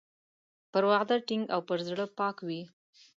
پر وعده ټینګ او په زړه پاک وي.